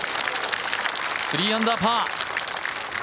３アンダーパー。